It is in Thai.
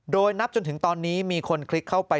โดยนับจนถึงตอนนี้มีคนคลิกเข้าไป